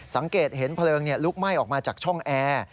สังเกตเห็นเพลิงลุกไหม้ออกมาจากช่องแอร์